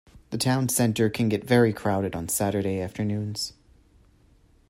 The town centre can get very crowded on Saturday afternoons